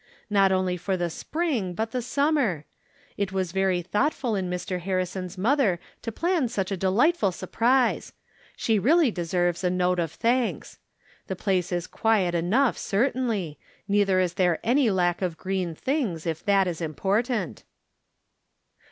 Not only for the spring, but the summer ! It was very thoughtful in Mr. Harri son's mother to plan such a delightful surprise ; she really deserves a vote of thanks. The place is quiet enough, certainly ; neither is there any lack of green things, if that is important."